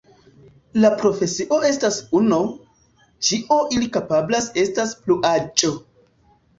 La profesio estas uno, ĉio ili kapablas estas pluaĵo.